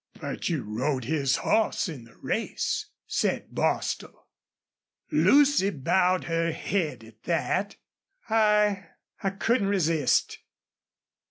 '" "But you rode his hoss in the race," said Bostil. Lucy bowed her head at that. "I I couldn't resist!"